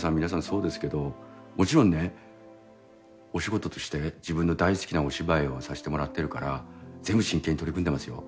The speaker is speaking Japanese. そうですけどもちろんねお仕事として自分の大好きなお芝居をさせてもらってるから全部真剣に取り組んでますよ。